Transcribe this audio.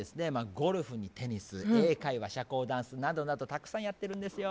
ゴルフにテニス英会話社交ダンスなどなどたくさんやってるんですよ。